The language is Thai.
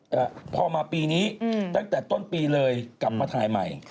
แต่พอมาปีนี้อืมตั้งแต่ต้นปีเลยกลับมาถ่ายใหม่